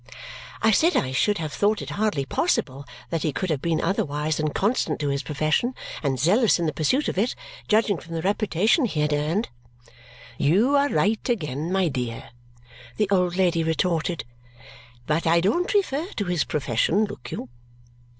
I said I should have thought it hardly possible that he could have been otherwise than constant to his profession and zealous in the pursuit of it, judging from the reputation he had earned. "You are right again, my dear," the old lady retorted, "but I don't refer to his profession, look you."